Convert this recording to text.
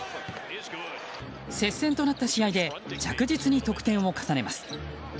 接戦となった試合で着実に得点を重ねます。